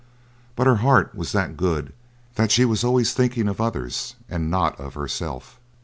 But her heart was that good that she was always thinking of others and not of herself.